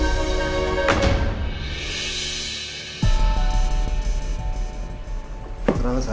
ngerang banget saat